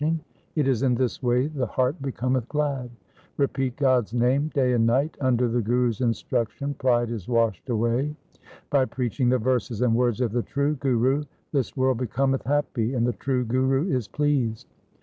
LIFE OF GURU HAR GOBIND 217 It is in this way the heart becometh glad. Repeat God's name day and night ; under the Guru's instruction pride is washed away. By preaching the verses and words of the true Guru This world becometh happy, and the true Guru is pleased.